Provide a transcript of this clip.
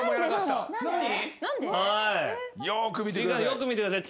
よく見てください。